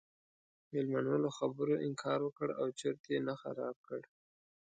میلمنو له خبرو انکار وکړ او چرت یې نه خراب کړ.